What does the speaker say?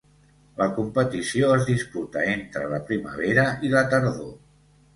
La competició es disputa entre la primavera i la tardor.